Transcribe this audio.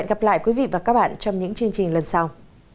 hẹn gặp lại quý vị và các bạn trong những chương trình lần sau